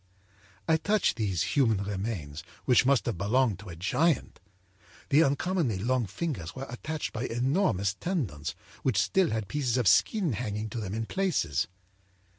âI touched these human remains, which must have belonged to a giant. The uncommonly long fingers were attached by enormous tendons which still had pieces of skin hanging to them in places.